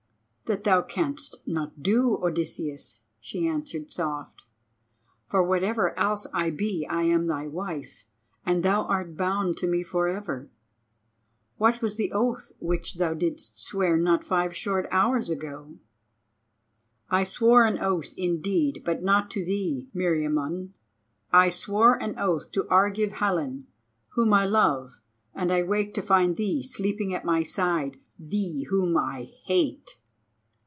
"That thou canst not do, Odysseus," she answered soft, "for whatever else I be I am thy wife, and thou art bound to me for ever. What was the oath which thou didst swear not five short hours ago?" "I swore an oath indeed, but not to thee, Meriamun. I swore an oath to Argive Helen, whom I love, and I wake to find thee sleeping at my side, thee whom I hate."